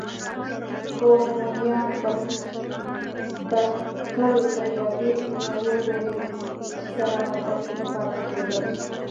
خو هونیان به تل له یوه لوري سره متحد نه پاتې کېدل